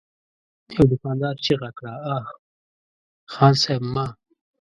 يوه دوکاندار چيغه کړه: اه! خان صيب! مه!